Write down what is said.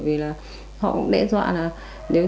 bây giờ chị có trả không